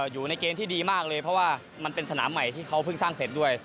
อยู่ในเกณฑ์ที่ดีมากเลยเพราะว่ามันเป็นสนามใหม่ที่เขาเพิ่งสร้างเสร็จด้วย